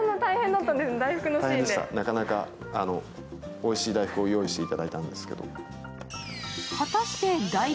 おいしい大福を用意していただいたんですけど。